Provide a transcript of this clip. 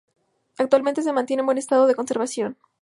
Actualmente se mantiene en buen estado de conservación.